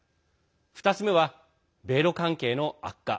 ２つ目は、米ロ関係の悪化。